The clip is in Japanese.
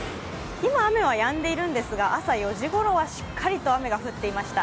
今雨はやんでいるんですが朝４時ごろはしっかりと雨が降っていました。